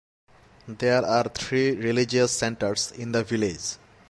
There are three religious centres in the village.